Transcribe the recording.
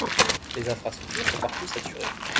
Les infrastructures sont partout saturées.